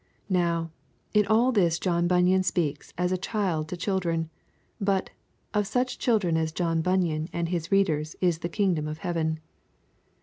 Now, in all this John Bunyan speaks as a child to children; but, of such children as John Bunyan and his readers is the kingdom of heaven.